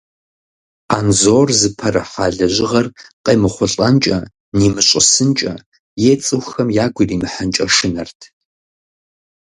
Анзор зыпэрыхьа лэжьыгъэр къемыхъулӀэнкӀэ, нимыщӀысынкӀэ е цӀыхухэм ягу иримыхьынкӀэ шынэрт.